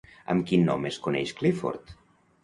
Amb quin nom es coneix Clifford?